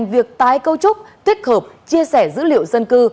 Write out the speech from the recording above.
ngành việc tái câu trúc tuyết hợp chia sẻ dữ liệu dân cư